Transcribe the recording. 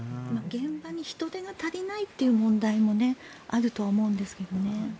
現場に人手が足りないという問題もあると思うんですけどね。